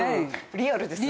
リアルですね。